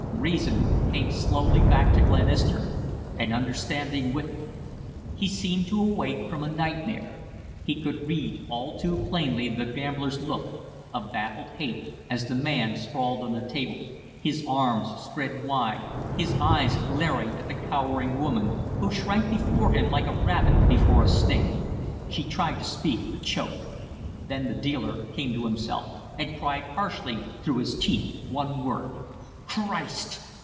Reason came slowly back to Glenister, and understanding with it. He seemed to awake from a nightmare. He could read all too plainly the gambler's look of baffled hate as the man sprawled on the table, his arms spread wide, his eyes glaring at the cowering woman, who shrank before him like a rabbit before a snake. She tried to speak, but choked. Then the dealer came to himself, and cried harshly through his teeth one word: "Christ!"